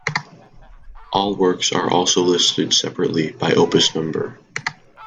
All works are also listed separately, by Opus number.